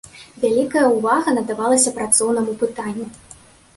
Вялікая ўвага надавалася працоўнаму пытанню.